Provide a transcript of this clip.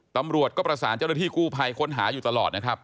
ตำรวจก็ประสานเจ้าหน้าที่กู้ภัยค้นหาอยู่ตลอดนะครับ